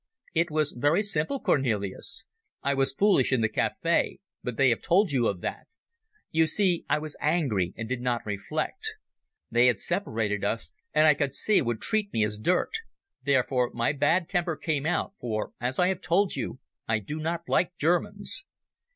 "It was very simple, Cornelis. I was foolish in the cafe—but they have told you of that. You see I was angry and did not reflect. They had separated us, and I could see would treat me as dirt. Therefore, my bad temper came out, for, as I have told you, I do not like Germans."